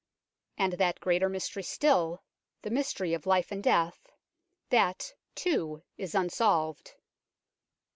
And that greater mystery still, the mystery of life and death, that, too, is unsolved.